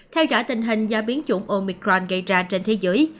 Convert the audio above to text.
theo dõi tình hình do biến chủng omicron gây ra trên thế giới